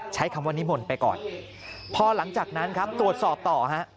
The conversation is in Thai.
ใช้คำว่านิมนต์ไปก่อนพอหลังจากนั้นครับตรวจสอบต่อฮะ